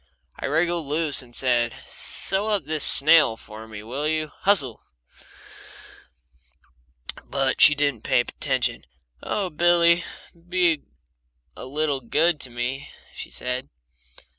I wriggled loose, and I said: "Sew up this sail for me, will you? Hustle!" But she didn't pay attention. "Oh, Billy, be a little good to me!" she said.